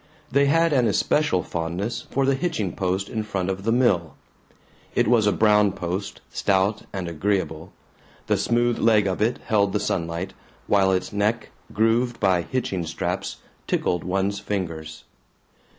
They had an especial fondness for the hitching post in front of the mill. It was a brown post, stout and agreeable; the smooth leg of it held the sunlight, while its neck, grooved by hitching straps, tickled one's fingers.